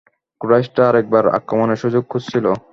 কোরাইশরা আরেকবার আক্রমণের সুযোগ খুঁজছিল।